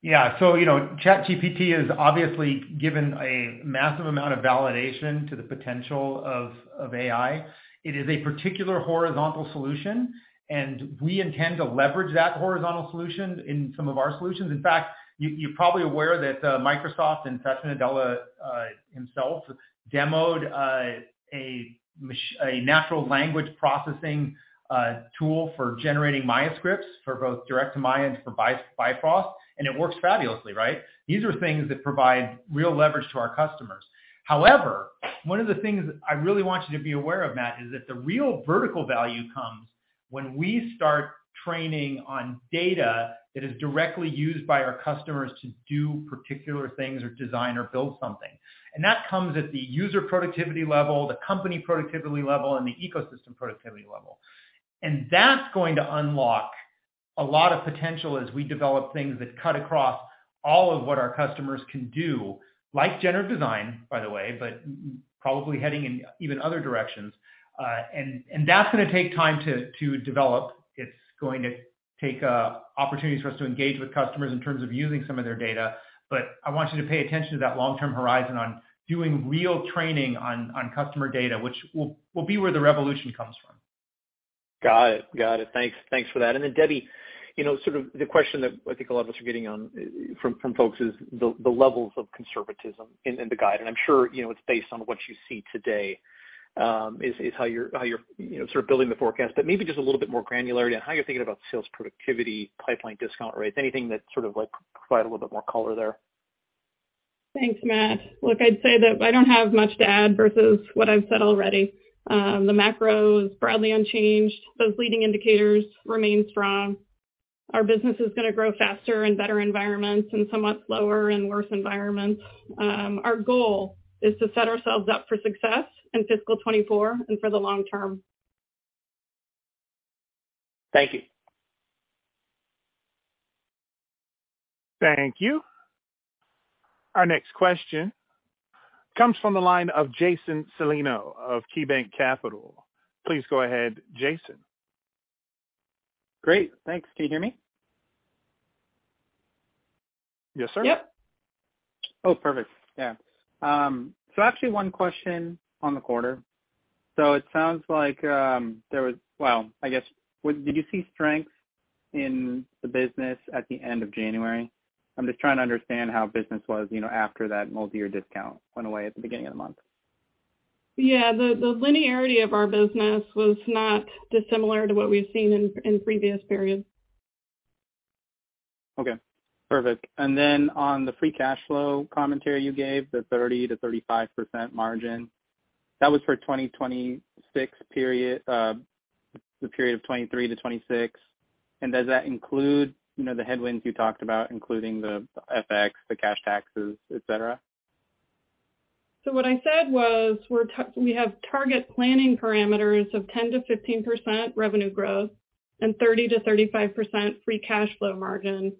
Yeah, you know, ChatGPT has obviously given a massive amount of validation to the potential of AI. It is a particular horizontal solution, and we intend to leverage that horizontal solution in some of our solutions. In fact, you're probably aware that Microsoft and Satya Nadella himself demoed a natural language processing tool for generating Maya scripts for both direct to Maya and for Bifrost, and it works fabulously, right? These are things that provide real leverage to our customers. However, one of the things I really want you to be aware of, Matt, is that the real vertical value comes when we start training on data that is directly used by our customers to do particular things or design or build something. That comes at the user productivity level, the company productivity level, and the ecosystem productivity level. That's going to unlock a lot of potential as we develop things that cut across all of what our customers can do, like generative design, by the way, but probably heading in even other directions. That's gonna take time to develop. It's going to take opportunities for us to engage with customers in terms of using some of their data. I want you to pay attention to that long-term horizon on doing real training on customer data, which will be where the revolution comes from. Got it. Got it. Thanks, thanks for that. Debbie, you know, sort of the question that I think a lot of us are getting on from folks is the levels of conservatism in the guide. I'm sure, you know, it's based on what you see today, is how you're, you know, sort of building the forecast. Maybe just a little bit more granularity on how you're thinking about sales productivity, pipeline discount rates, anything that sort of like provide a little bit more color there. Thanks, Matt. Look, I'd say that I don't have much to add versus what I've said already. The macro is broadly unchanged. Those leading indicators remain strong. Our business is gonna grow faster in better environments and somewhat slower in worse environments. Our goal is to set ourselves up for success in fiscal 2024 and for the long term. Thank you. Thank you. Our next question comes from the line of Jason Celino of KeyBanc Capital. Please go ahead, Jason. Great. Thanks. Can you hear me? Yes, sir. Yep. Oh, perfect. Yeah. Actually one question on the quarter. It sounds like, Well, I guess, did you see strength in the business at the end of January? I'm just trying to understand how business was, you know, after that multi-year discount went away at the beginning of the month. Yeah. The linearity of our business was not dissimilar to what we've seen in previous periods. Okay. Perfect. Then on the free cash flow commentary you gave, the 30%-35% margin, that was for 2026 period, the period of 2023 to 2026. Does that include, you know, the headwinds you talked about, including the FX, the cash taxes, et cetera? What I said was, we have target planning parameters of 10%-15% revenue growth and 30%-35% free cash flow margin,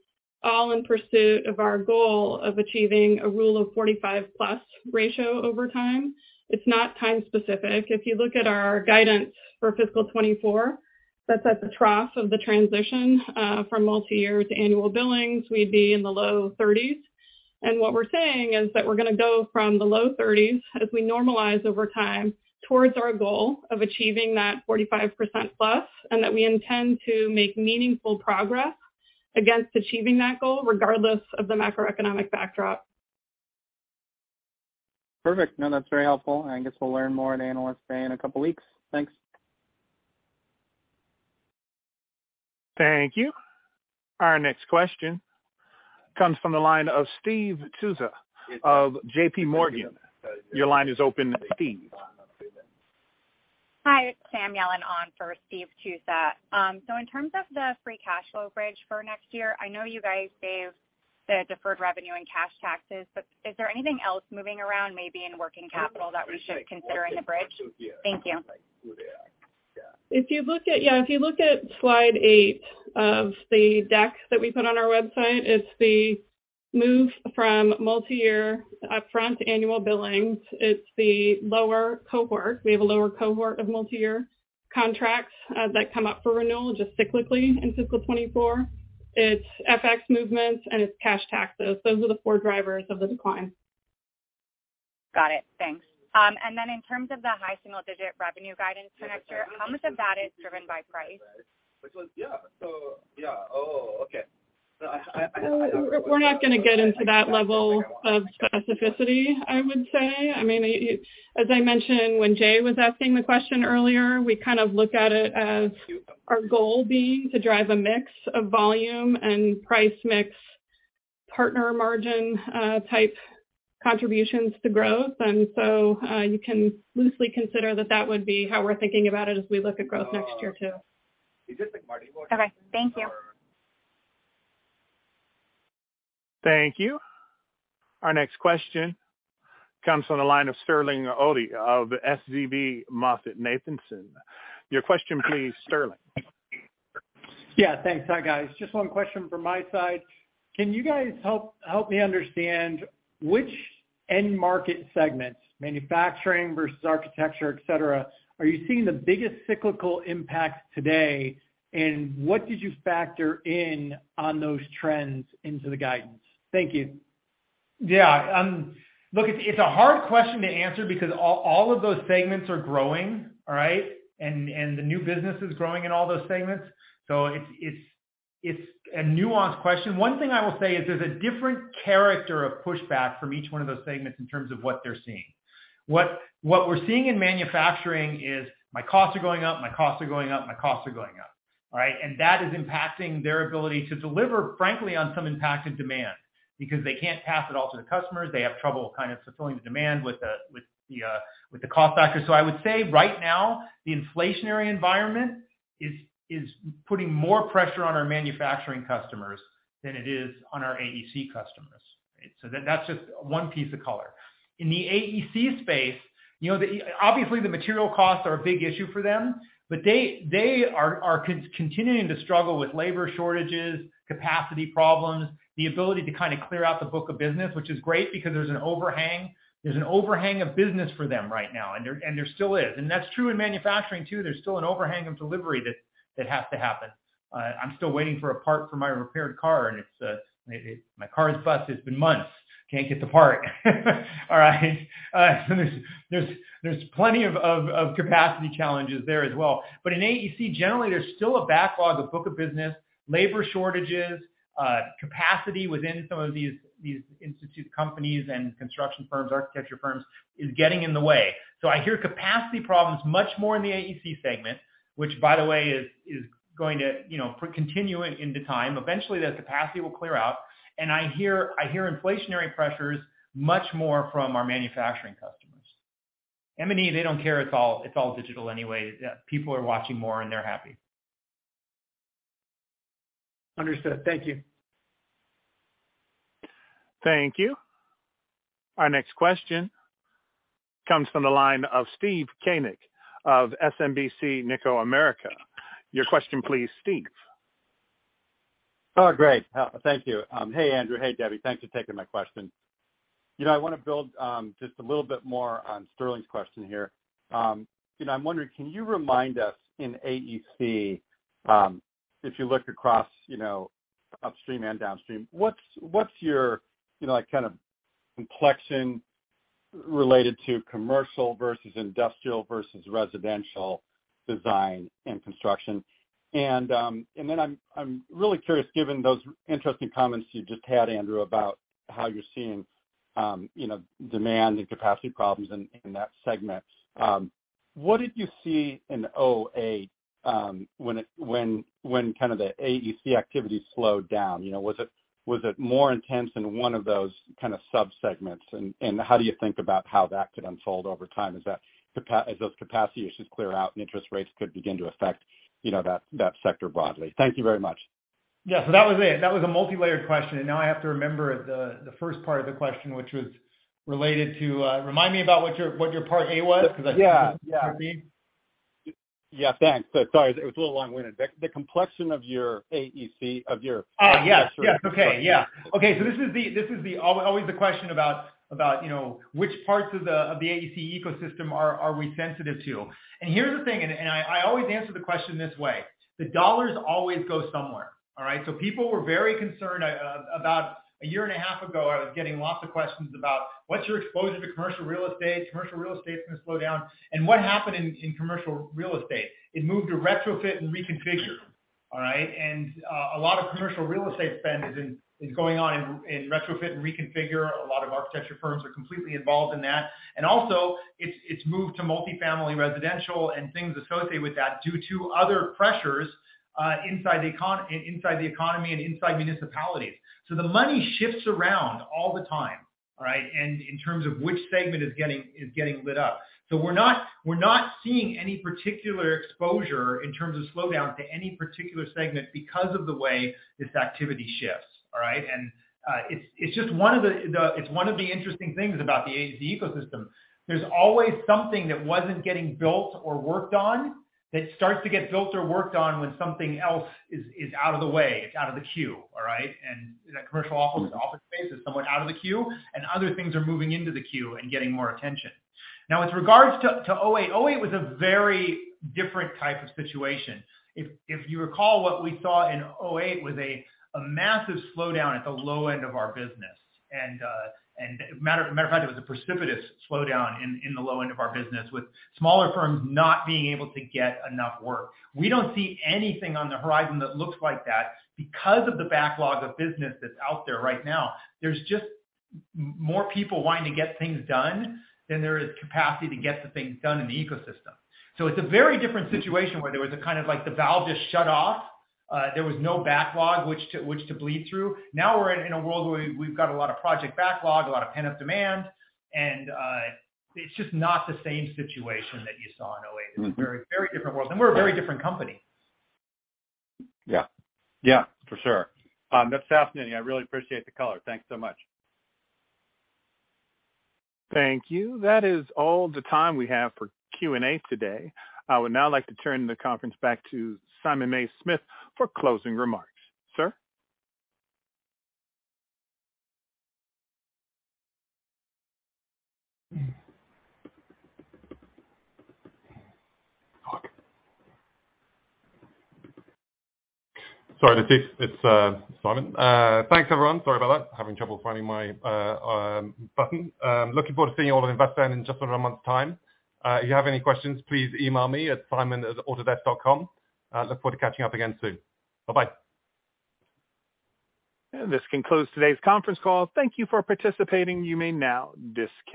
all in pursuit of our goal of achieving a "Rule of 45+" ratio over time. It's not time specific. If you look at our guidance for fiscal 2024, that's at the trough of the transition from multi-year to annual billings, we'd be in the low-30s. What we're saying is that we're gonna go from the low-30s as we normalize over time towards our goal of achieving that 45%+, and that we intend to make meaningful progress against achieving that goal regardless of the macroeconomic backdrop. Perfect. No, that's very helpful. I guess we'll learn more at Analyst Day in a couple weeks. Thanks. Thank you. Our next question comes from the line of Steve Tusa of JPMorgan. Your line is open, Steve. Hi, it's Sam Yellen on for Steve Tusa. In terms of the free cash flow bridge for next year, I know you guys gave the deferred revenue and cash taxes, but is there anything else moving around maybe in working capital that we should consider in the bridge? Thank you. If you look at slide eight of the deck that we put on our website, it's the move from multi-year upfront annual billings. It's the lower cohort. We have a lower cohort of multi-year contracts that come up for renewal just cyclically in fiscal 2024. It's FX movements, and it's cash taxes. Those are the four drivers of the decline. Got it. Thanks. In terms of the high single-digit revenue guidance for next year, how much of that is driven by price? We're not gonna get into that level of specificity, I would say. I mean, as I mentioned when Jay was asking the question earlier, we kind of look at it as our goal being to drive a mix of volume and price mix partner margin type contributions to growth. You can loosely consider that that would be how we're thinking about it as we look at growth next year, too. Okay. Thank you. Thank you. Our next question comes from the line of Sterling Auty of SVB MoffettNathanson. Your question please, Sterling. Yeah, thanks. Hi, guys. Just one question from my side. Can you guys help me understand which end market segments, manufacturing versus architecture, et cetera, are you seeing the biggest cyclical impact today? What did you factor in on those trends into the guidance? Thank you. Yeah. Look, it's a hard question to answer because all of those segments are growing, all right? The new business is growing in all those segments. It's a nuanced question. One thing I will say is there's a different character of pushback from each one of those segments in terms of what they're seeing. What we're seeing in manufacturing is my costs are going up, my costs are going up, my costs are going up, all right? That is impacting their ability to deliver, frankly, on some impacted demand because they can't pass it all to the customers. They have trouble kind of fulfilling the demand with the cost factor. I would say right now, the inflationary environment is putting more pressure on our manufacturing customers than it is on our AEC customers. That's just one piece of color. In the AEC space, you know, the obviously the material costs are a big issue for them, but they are continuing to struggle with labor shortages, capacity problems, the ability to kind of clear out the book of business, which is great because there's an overhang. There's an overhang of business for them right now, and there still is. That's true in manufacturing, too. There's still an overhang of delivery that has to happen. I'm still waiting for a part for my repaired car, and it's my car is busted. It's been months, can't get the part. All right. There's plenty of capacity challenges there as well. In AEC, generally, there's still a backlog of book of business, labor shortages, capacity within some of these institute companies and construction firms, architecture firms is getting in the way. I hear capacity problems much more in the AEC segment, which, by the way, is going to, you know, continuing into time. Eventually, that capacity will clear out. I hear inflationary pressures much more from our manufacturing customers. M&E, they don't care. It's all digital anyway. Yeah, people are watching more, and they're happy. Understood. Thank you. Thank you. Our next question comes from the line of Steve Koenig of SMBC Nikko America. Your question please, Steve. Oh, great. Thank you. Hey, Andrew. Hey, Debbie. Thanks for taking my question. You know, I wanna build just a little bit more on Sterling's question here. You know, I'm wondering, can you remind us in AEC, if you look across, you know, upstream and downstream, what's your, you know, like, kind of complexion related to commercial versus industrial versus residential design and construction? Then I'm really curious, given those interesting comments you just had, Andrew, about how you're seeing, you know, demand and capacity problems in that segment. What did you see in 2008, when kind of the AEC activity slowed down? You know, was it, was it more intense in one of those kind of sub-segments? How do you think about how that could unfold over time as those capacity issues clear out and interest rates could begin to affect, you know, that sector broadly? Thank you very much. Yeah. That was it. That was a multilayered question. Now I have to remember the first part of the question, which was related to. Remind me about what your part A was. Yeah. Sorry, yeah, it was a little long-winded. The complexion of your AEC. Yeah. Okay. So, this is the—always the question about which parts of the AEC ecosystem are we sensitive to. And here's the thing, and I always answer the question this way. The dollars always go somewhere, all right? So, people were very concerned about a year and half ago, I was getting lots of questions about what's your exposure to commercial real estate, commercial real estate is going to slow down what happened in commercial real estate. It moved to retrofit and reconfigure all right? And a lot of commercial real estate spend is in is going on in retrofit and reconfigure. A lot of architecture firms are completely involved in that. And also, it's moved to multifamily residential and things associated with that due to other pressures inside the economy and inside municipalities. So, the money shifts around all the time, right? And in terms of which segment is getting lit up. So, we're not seeing any particular exposure in terms of slowdown to any particular segment because of the way this activity shifts, all right? And it's just one—it's one of the interesting things about the ecosystem. There's always something that wasn't getting built or worked on that starts to get built or worked on when something else is out of the way, it's out of the queue, all right? And the commercial office of space is somewhat out of the queue and other things are moving into the queue and getting more attention. Now, with regards to 2008, it was a very different type of situation. If you recall what we thought in 2008 was a massive slowdown at the low end of our business. And a matter of fact, it was a precipitous slowdown in the low end of our business with smaller firms not being able to get enough work. We don't see anything on the horizon that looks like that because of the backlog of business that's out there right now, there's just more people wanting to get things done than there is capacity to get the thing done in the ecosystem. So, it's a very different situation where there was a kind of like the valve is shut off. There was no backlog, which to bleed through. Now we're in a world where we've got a lot of project backlog, a lot of pent-up demand, and it's just not the same situation that you saw in 2008. It was very different world. And we're a very different company. Yeah, for sure. That's fascinating. I really appreciate the color. Thanks so much. Thank you. That is all the time we have for Q&A today. I would now like to turn the conference back to Simon Mays-Smith for closing remarks. Sir? Sorry. It's Simon. Thanks, everyone. Sorry about that. Having trouble finding my button. Looking forward to seeing you all at Invest Day in just about one month's time. If you have any questions, please email me at simon@autodesk.com. Look forward to catching up again soon. Bye-bye. This concludes today's conference call. Thank you for participating. You may now disconnect.